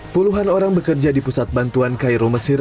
puluhan orang bekerja di pusat bantuan cairo mesir